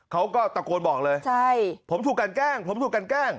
เขาก็ตะโกนบอกเลยใช่ผมถูกกันแกล้งผมถูกกันแกล้ง